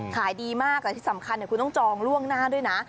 ขายดีมากและที่สำคัญคุณต้องจองล่วงหน้าด้วยนะ